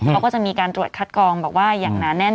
เขาก็จะมีการตรวจคัดกองแบบว่าอย่างหนาแน่น